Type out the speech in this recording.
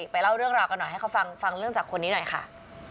ไปเล่าเรื่องราวกันหน่อยให้เขาฟังฟังเรื่องจากคนนี้หน่อยค่ะ